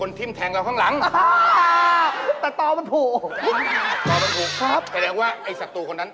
นี่แม่งเขาบอกแล้วไง